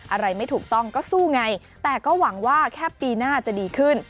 อะไรไม่ถูกต้องก็สู้ไงแต่ก็หวังว่าแค่ปีหน้าจะดีขึ้น